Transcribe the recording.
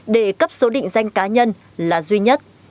để cấp số định danh cá nhân là duy nhất